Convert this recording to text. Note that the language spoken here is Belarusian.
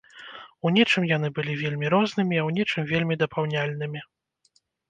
У нечым яны былі вельмі рознымі, а ў нечым вельмі дапаўняльнымі.